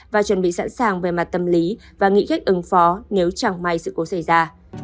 và chuẩn bị sẵn sàng về mặt tâm lý và nghĩ cách ứng phó nếu chẳng may sự cố xảy ra